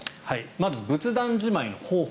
まず、仏壇じまいの方法